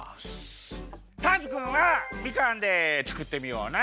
ターズくんはみかんでつくってみようね。